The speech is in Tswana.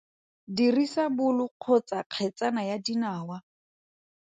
Dirisa bolo kgotsa kgetsana ya dinawa.